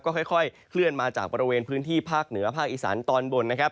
ก็ค่อยเคลื่อนมาจากบริเวณพื้นที่ภาคเหนือภาคอีสานตอนบนนะครับ